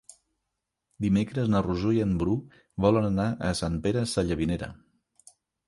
Dimecres na Rosó i en Bru volen anar a Sant Pere Sallavinera.